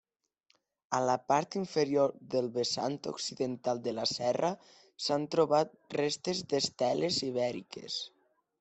A la part inferior del vessant occidental de la serra s'han trobat restes d'esteles ibèriques.